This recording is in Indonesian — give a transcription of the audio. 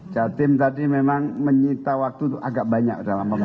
jatim tadi memang menyita waktu agak banyak